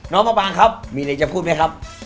น้องมะปางครับมีอะไรจะพูดไหมครับ